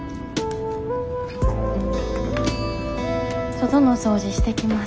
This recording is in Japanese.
外の掃除してきます。